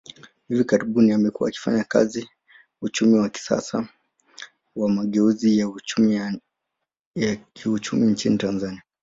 Hivi karibuni, amekuwa akifanya kazi uchumi wa kisiasa wa mageuzi ya kiuchumi nchini Tanzania.